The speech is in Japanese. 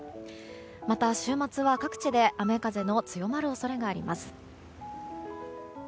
また、週末は各地で雨風の強まる恐れがあります。